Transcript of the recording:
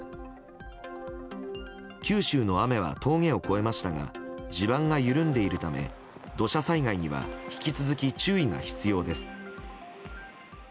九州の雨は峠を越えましたが地盤が緩んでいるため土砂災害には引き続き注意が必要です。